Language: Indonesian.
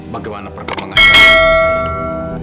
bagaimana perkembangan kamu